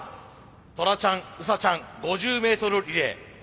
トラちゃんウサちゃん５０ｍリレー。